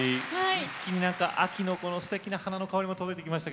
一気に秋の花の香りも届いてきました。